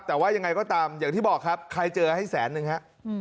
แต่ว่ายังไงก็ตามอย่างที่บอกครับใครเจอให้แสนนึงฮะ